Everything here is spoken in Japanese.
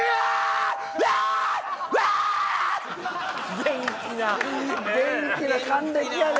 元気な元気な還暦やで！